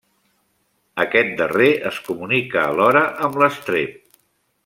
Aquest darrer es comunica alhora amb l'estrep.